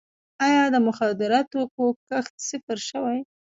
آیا د مخدره توکو کښت صفر شوی؟